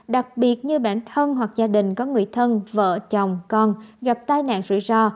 đặc biệt như bản thân hoặc gia đình có người thân vợ chồng con gặp tai nạn rủi ro